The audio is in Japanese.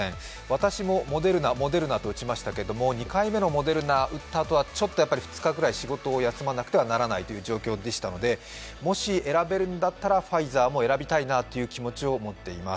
私も、モデルナ、モデルナと打ちましたけれども２回目のモデルナを打ったあとは２日ぐらい仕事を休まなくてはならない状況でしたのでもし選べるんだったらファイザーを選びたいなという気持ちを持っています。